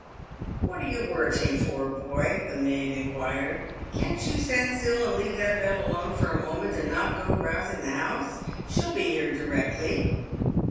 "What are you worriting for, boy ?" the maid inquired; "can't you stand still and leave that bell alone for a moment, and not go rousing the house ? She'll be here directly."